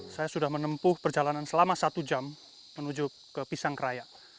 saya sudah menempuh perjalanan selama satu jam menuju ke pisang keraya